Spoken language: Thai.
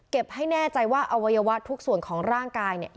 ให้แน่ใจว่าอวัยวะทุกส่วนของร่างกายเนี่ย